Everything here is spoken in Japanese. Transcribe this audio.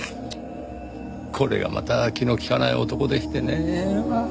これがまた気の利かない男でしてねぇ。